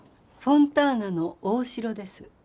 フォンターナの大城です。